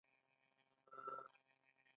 چینایي راهبان د زده کړې لپاره راتلل